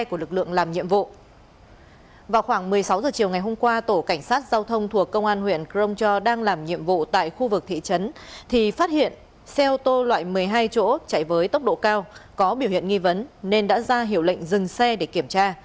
qua tổ cảnh sát giao thông thuộc công an huyện cromshaw đang làm nhiệm vụ tại khu vực thị trấn thì phát hiện xe ô tô loại một mươi hai chỗ chạy với tốc độ cao có biểu hiện nghi vấn nên đã ra hiệu lệnh dừng xe để kiểm tra